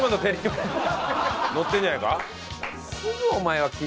乗ってるんじゃないか？